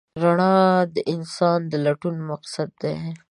رڼا د انسان د لټون مقصد دی.